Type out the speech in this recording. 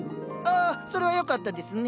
あそれはよかったですね。